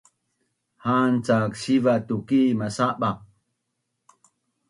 Ha’an cak siva’ tuki masabaq